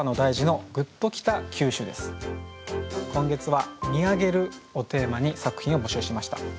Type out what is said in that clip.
題して今月は「見上げる」をテーマに作品を募集しました。